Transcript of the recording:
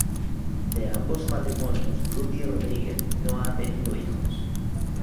De ambos matrimonios Ruddy Rodríguez no ha tenido hijos.